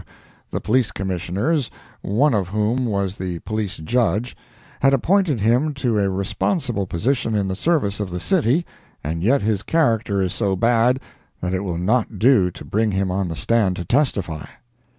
the Police Commissioners—one of whom was the Police Judge—had appointed him to a responsible position in the service of the city, and yet his character is so bad that it will not do to bring him on the stand to testify!